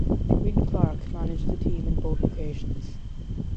Win Clark managed the team in both locations.